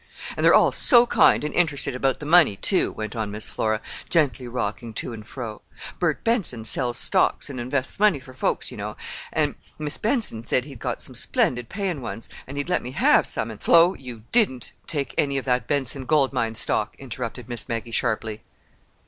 "And they're all so kind and interested about the money, too," went on Miss Flora, gently rocking to and fro. "Bert Benson sells stocks and invests money for folks, you know, and Mis' Benson said he'd got some splendid payin' ones, and he'd let me have some, and—" "Flo, you didn't take any of that Benson gold mine stock!" interrupted Miss Maggie sharply.